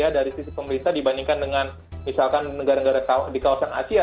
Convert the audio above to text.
dari sisi pemerintah dibandingkan dengan misalkan negara negara di kawasan asia